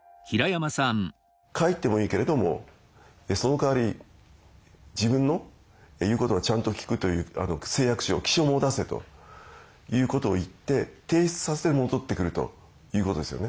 帰ってもいいけれどもその代わり自分の言うことはちゃんと聞くという誓約書を起しょう文を出せということを言って提出させて戻ってくるということですよね。